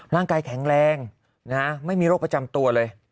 ร่างกายแข็งแรงไม่มีโรคประจำตัวเลย